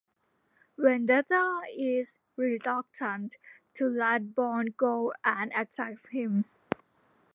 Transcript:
Vendetta is reluctant to let Bond go and attacks him.